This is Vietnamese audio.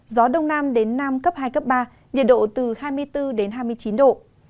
gió đông nam đến nam cấp hai cấp ba nhiệt độ từ hai mươi bốn đến hai mươi chín độ